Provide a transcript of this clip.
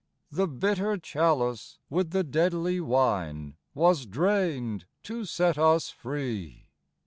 The bitter chalice with the deadly wine Was drained to set us free.